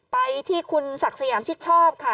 ไปที่คุณศักดิ์สยามชิดชอบค่ะ